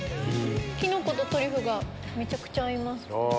キノコとトリュフがめちゃくちゃ合います。